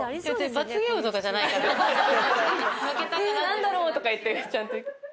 「うん何だろう」とか言ってちゃんと。